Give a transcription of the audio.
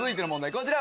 こちら。